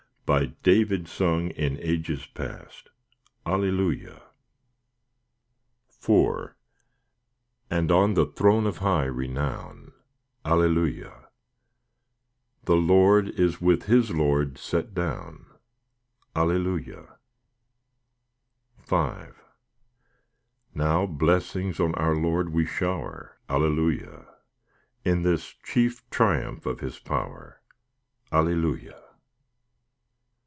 By David sung in ages past, Alleluia! IV And on the throne of high renown, Alleluia! The Lord is with His Lord set down, Alleluia! V Now blessings on our Lord we shower, Alleluia! In this chief triumph of His power, Alleluia!